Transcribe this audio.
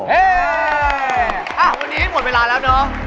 อ่ะวันนี้หมดเวลาแล้วน้อง